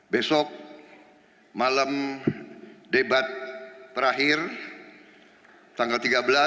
besok malam debat terakhir tanggal tiga belas